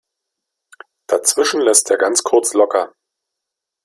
Dazwischen lässt er ganz kurz locker.